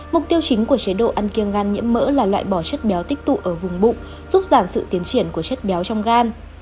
mục tiêu chính của chế độ ăn kiêng gan nhiễm mỡ là loại bỏ chất béo tích tụ ở vùng bụng giúp giảm sự tiến triển của chất béo trong gan